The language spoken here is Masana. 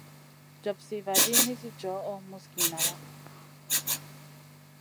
Jopsiy vaɗi, nisi johʼo musgi nala.